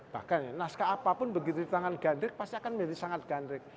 bahkan ya naskah apapun begitu di tangan gandrik pasti akan menjadi sangat gandrik